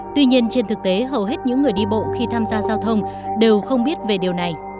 tuy nhiên trên thực tế hầu hết những người đi bộ khi tham gia giao thông đều không biết về điều này